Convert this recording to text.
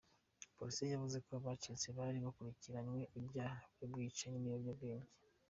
Polisi yavuze ko abacitse bari bakurikirayweho ibyaha by'ubwicanyi n'ibiyobwabwenge.